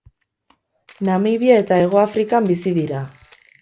Namibia eta Hego Afrikan bizi dira.